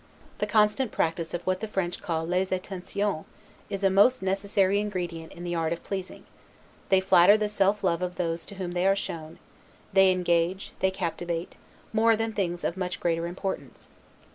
The constant practice of what the French call 'les Attentions', is a most necessary ingredient in the art of pleasing; they flatter the self love of those to whom they are shown; they engage, they captivate, more than things of much greater importance.